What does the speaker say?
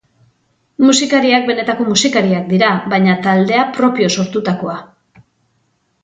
Musikariak benetako musikariak dira, baina taldea propio sortutakoa.